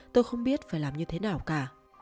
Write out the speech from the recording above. tôi không biết phải làm như thế nào cả